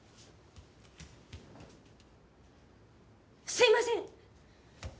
すいません！